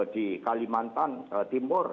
di kalimantan timur